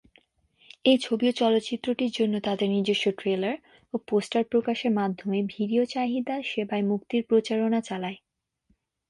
HBO চলচ্চিত্রটির জন্য তাদের নিজস্ব ট্রেলার ও পোস্টার প্রকাশের মাধ্যমে ভিডিও চাহিদা সেবায় মুক্তির প্রচারণা চালায়।